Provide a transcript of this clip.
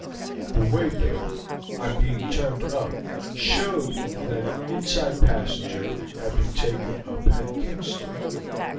The way bill, on being turned up, showed that an inside passenger had been taken up at Kingston.